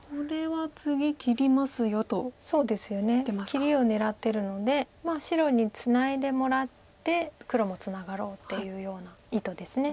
切りを狙ってるので白にツナいでもらって黒もツナがろうっていうような意図です。